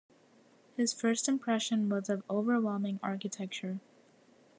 His first impression was of overwhelming architecture.